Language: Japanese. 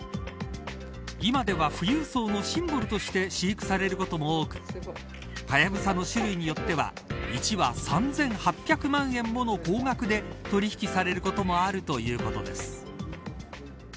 今では富裕層のシンボルとして飼育されることも多くハヤブサの種類によっては１羽３８００万円もの高額で取引されることもあるということです。